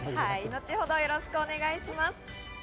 後ほど、よろしくお願いします。